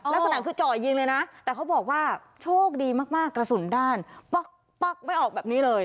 ลักษณะคือจ่อยิงเลยนะแต่เขาบอกว่าโชคดีมากกระสุนด้านป๊อกป๊อกไม่ออกแบบนี้เลย